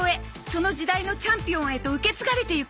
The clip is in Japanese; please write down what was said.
その時代のチャンピオンへと受け継がれていく